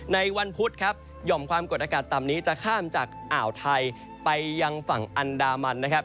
ในวันพุธครับหย่อมความกดอากาศต่ำนี้จะข้ามจากอ่าวไทยไปยังฝั่งอันดามันนะครับ